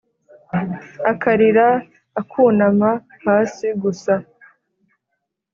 akarira akunama hasi gusa.